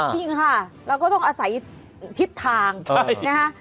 จริงค่ะเราก็ต้องอาศัยทิศทางนะคะ